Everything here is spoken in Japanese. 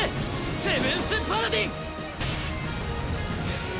セブンス・パラディン！